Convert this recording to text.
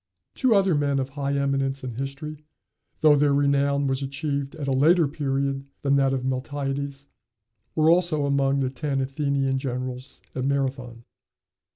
Two other men of high eminence in history, though their renown was achieved at a later period than that of Miltiades, were also among the ten Athenian generals at Marathon.